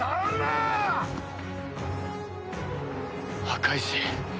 赤石！